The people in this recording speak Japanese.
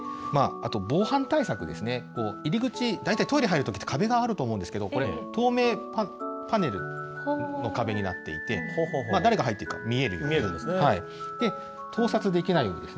あと防犯対策ですね、入り口、大体トイレ入るときって壁があると思うんですけれども、これ、透明パネルの壁になっていて、誰が入っているか見えるようになっているんです。